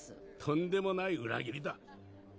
とんでもない裏切りだ